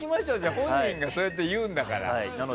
本人がそう言うんだから。